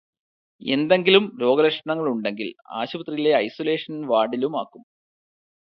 എന്തെങ്കിലും രോഗലക്ഷണങ്ങൾ ഉണ്ടെങ്കിൽ ആശുപത്രിയിലെ ഐസൊലേഷൻ വാർഡിലുമാക്കും.